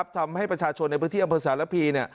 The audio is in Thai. ทำให้ประชาชนในพื้นที่อำเภอสารพี